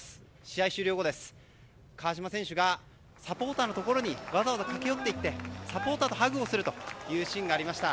試合終了後川島選手がサポーターのところにわざわざ駆け寄っていってサポーターとハグをするというシーンがありました。